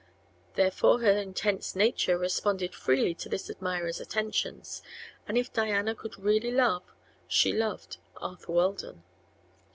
Therefore her intense nature responded freely to this admirer's attentions, and if Diana could really love she loved Arthur Weldon.